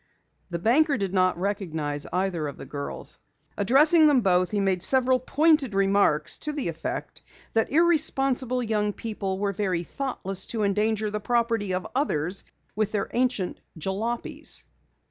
The banker did not recognize either of the girls. Addressing them both, he made several pointed remarks to the effect that irresponsible young people were very thoughtless to endanger the property of others with their ancient "jalopies."